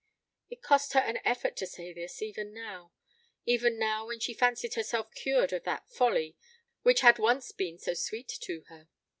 It cost her an effort to say this even now, even now when she fancied herself cured of that folly which had once been so sweet to her.